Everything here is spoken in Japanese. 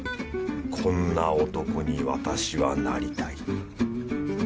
こんな男に私はなりたい